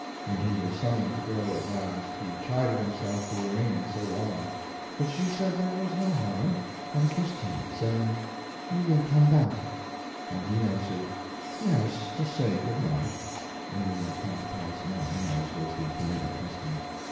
When he was summoned to go at last he chided himself for remaining so long; but she said there was no harm, and kissed him, saying: "You will come back," and he answered, "Yes, to say good night," meaning at half past nine, as was the permitted custom.